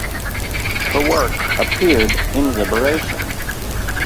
Her work appeared in "Liberation".